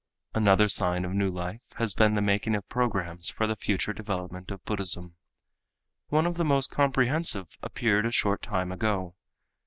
Another sign of new life has been the making of programs for the future development of Buddhism. One of the most comprehensive appeared a short time ago.